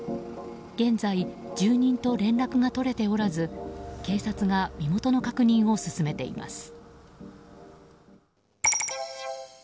現在、住人と連絡が取れておらず警察が身元の確認を進めています。